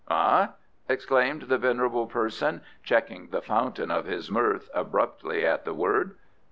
"Eh?" exclaimed the venerable person, checking the fountain of his mirth abruptly at the word.